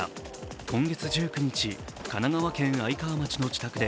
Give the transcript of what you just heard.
今月１９日、神奈川県愛川町の自宅で